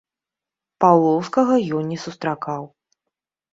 Паўлоўскага ён не сустракаў.